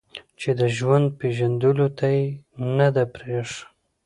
چې د ژوند پېژندلو ته يې نه ده پرېښې